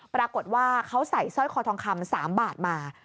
ปรากฏว่าเขาใส่สร้อยคอทองคำ๓บาทมา